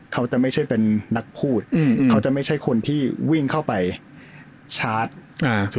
เขาจะไม่ใช่เป็นนักพูดอืมเขาจะไม่ใช่คนที่วิ่งเข้าไปชาร์จอ่า